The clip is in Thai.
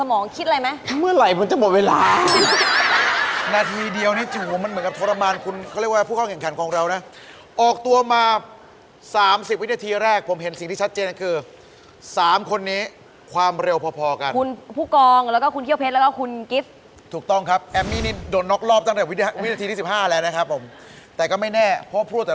น้องกิ๊บเป็นอย่างไรบ้างครับกับการแข่งขันร้อยรอบนี้น้องกิ๊บ